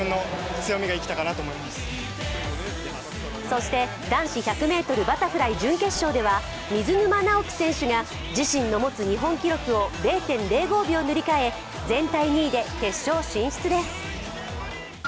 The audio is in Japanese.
そして、男子１００ｍバタフライ準決勝では水沼尚輝選手が自身の持つ日本記録を０．０５秒塗り替え全体２位で決勝進出です。